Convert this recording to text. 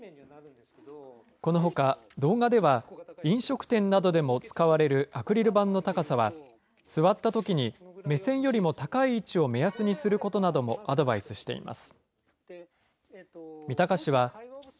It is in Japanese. このほか、動画では、飲食店などでも使われるアクリル板の高さは、座ったときに目線よりも高い位置を目安にすることなどもアドバイスしています。